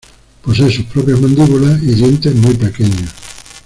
Posee sus propias mandíbulas y dientes muy pequeños.